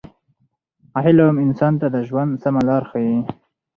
علم انسان ته د ژوند سمه لاره ښیي.